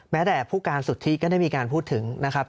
แม้แต่ผู้การสุทธิก็ได้มีการพูดถึงนะครับ